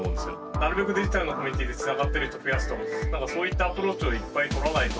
なるべくデジタルのコミュニティーでつながってる人を増やすとかそういったアプローチをいっぱいとらないと。